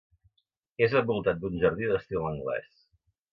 És envoltat d'un jardí d'estil anglès.